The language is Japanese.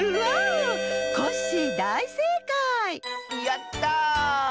やった！